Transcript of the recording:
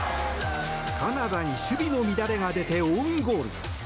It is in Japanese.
カナダに守備の乱れが出てオウンゴール。